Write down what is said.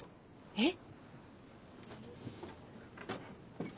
えっ？